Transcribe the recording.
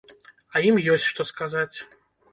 А ім ёсць, што сказаць.